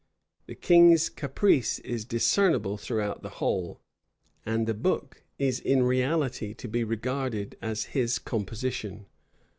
The king's caprice is discernible throughout the whole; and the book is in reality to be regarded as his composition.